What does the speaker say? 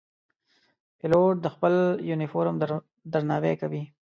پیلوټ د خپل یونیفورم درناوی کوي.